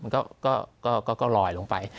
มันก็ลอยลงไป